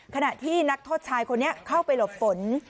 ขณะที่นักโทษชายคนนี้เข้าไปหลบฝน